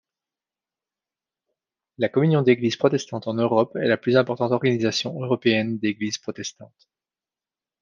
La Communion d'Églises protestantes en Europe est la plus importante organisation européenne d'Églises protestantes.